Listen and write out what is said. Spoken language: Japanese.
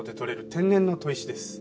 天然の砥石です。